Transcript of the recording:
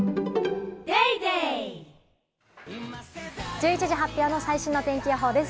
１１時発表の最新の天気予報です。